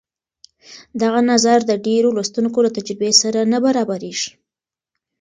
دغه نظر د ډېرو لوستونکو له تجربې سره نه برابرېږي.